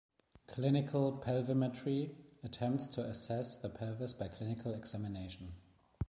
Clinical pelvimetry attempts to assess the pelvis by clinical examination.